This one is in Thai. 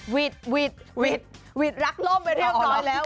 วิดหวิดหวิดรักล่มไปเรียบร้อยแล้ว